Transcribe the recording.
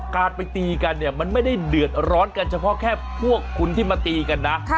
การไปตีกันเนี่ยมันไม่ได้เดือดร้อนกันเฉพาะแค่พวกคุณที่มาตีกันนะ